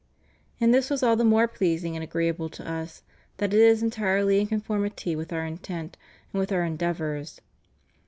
And this was all the more pleasing and agreeable to Us, that it is entirely in conformity with Our intent and with Our endeavors.